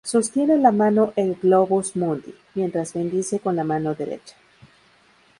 Sostiene en la mano el "globus mundi" mientras bendice con la mano derecha.